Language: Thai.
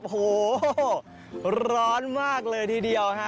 โอ้โหร้อนมากเลยทีเดียวฮะ